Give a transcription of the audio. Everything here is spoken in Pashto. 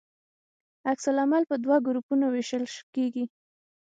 عکس العمل په دوه ګروپونو ویشل کیږي.